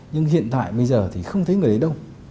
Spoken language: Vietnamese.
nhưng hiện tại bây giờ thì không thấy người đấy đâu